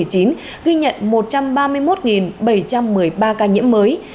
ghi nhận một trăm ba mươi một bảy trăm một mươi ba ca nhiễm mới